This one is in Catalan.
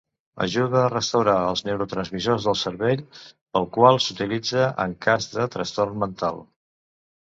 Ajuda a restaurar els neurotransmissors del cervell pel qual s'utilitza en cas de trastorn mental.